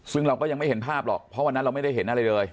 ซึ่งเราก็ยังไม่เห็นภาพหรอกเพราะวันนั้นเราไม่ได้เห็นอะไรเลย